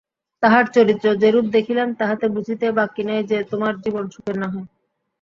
তাঁহার চরিত্র যেরূপ দেখিলাম তাহাতে বুঝিতে বাকি নাই যে, তোমার জীবন সুখের নহে।